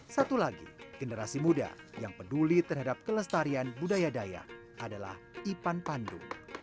satu lagi generasi muda yang peduli terhadap kelestarian budaya daya adalah ipan pandu